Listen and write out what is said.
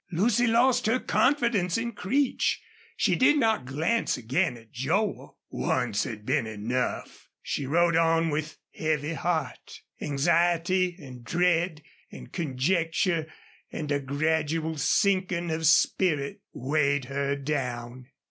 Lucy lost her confidence in Creech. She did not glance again at Joel. Once had been enough. She rode on with heavy heart. Anxiety and dread and conjecture and a gradual sinking of spirit weighed her down.